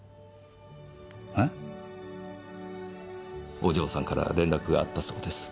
お嬢さんから連絡があったそうです。